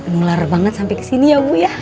ngular banget sampai kesini ya bu ya